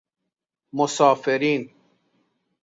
مسافرین